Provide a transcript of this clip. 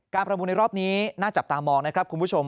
ประมูลในรอบนี้น่าจับตามองนะครับคุณผู้ชม